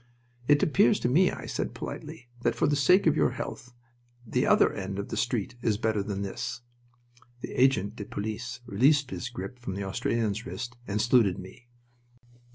"It appears to me," I said, politely, "that for the sake of your health the other end of the street is better than this." The agent de police released his grip from the Australian's wrist and saluted me.